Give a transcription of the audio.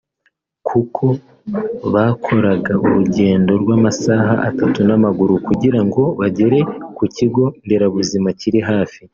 kuko bakoraga urugendo rw’amasaha atatu n’amaguru kugira ngo bagere ku kigo nderabuzima kiri hafi